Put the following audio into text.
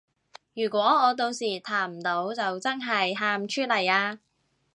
如果我到時彈唔到就真係喊出嚟啊